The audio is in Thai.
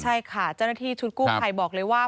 ใช่ค่ะเจ้าหน้าที่ชุดกู้ภัยบอกเลยว่า